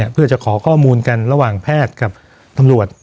เพื่อจะขอข้อมูลกันระหว่างแพทย์กับตำรวจ